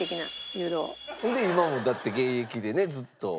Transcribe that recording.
そんで今もだって現役でねずっと。